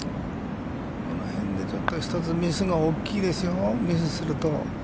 この辺でちょっとミスが大きいですよ、ミスすると。